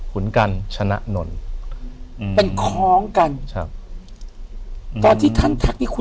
ขุนกัญชนะนน